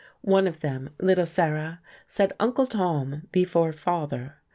One of them, little Sarah, said "Uncle Tom" before "Father."